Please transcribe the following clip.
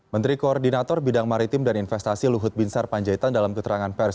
menteri koordinator bidang maritim dan investasi luhut binsar panjaitan dalam keterangan pers